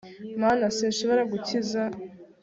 Mana sinshobora gukiza